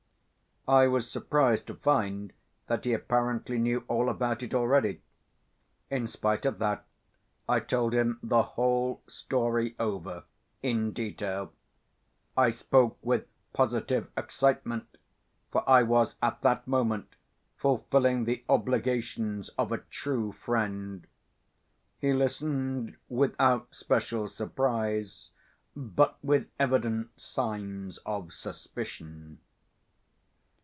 I was surprised to find that he apparently knew all about it already. In spite of that I told him the whole story over in detail. I spoke with positive excitement, for I was at that moment fulfilling the obligations of a true friend. He listened without special surprise, but with evident signs of suspicion.